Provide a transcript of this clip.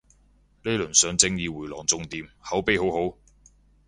呢輪上正義迴廊仲掂，口碑好好